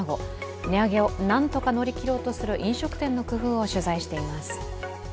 値上げをなんとか乗り切ろうとする飲食店の工夫を取材しています。